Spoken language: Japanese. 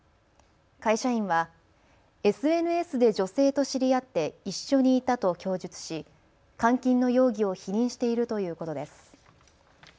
会社員はＳＮＳで女性と知り合って一緒にいたと供述し監禁の容疑を否認しているということです。